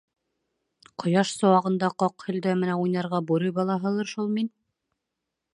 — Ҡояш сыуағында ҡаҡ һөлдә менән уйнарға бүре балаһылыр шул мин?!